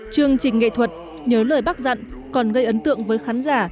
chương trình nghệ thuật nhớ lời bác dặn còn gây ấn tượng với khán giả